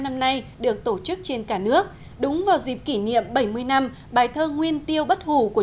năm nay được tổ chức trên cả nước đúng vào dịp kỷ niệm bảy mươi năm bài thơ nguyên tiêu bất hủ của